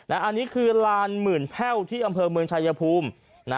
อันนี้คือลานหมื่นแพ่วที่อำเภอเมืองชายภูมิ